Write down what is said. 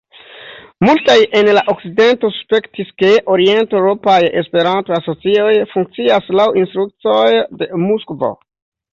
Multaj en la okcidento suspektis, ke orienteŭropaj Esperanto-asocioj funkcias laŭ instrukcioj de Moskvo.